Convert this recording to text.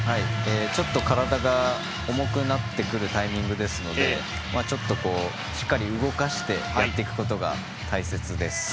ちょっと体が重くなってくるタイミングですのでちょっとしっかり動かしてやっていくことが大切です。